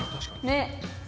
ねっ。